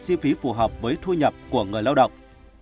chi phí phù hợp với thu nhập của người lao động